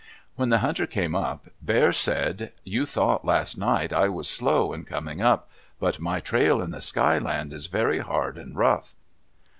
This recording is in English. When the hunter came up, Bear said, "You thought last night I was slow in coming up, but my trail in the Sky Land is very hard and rough.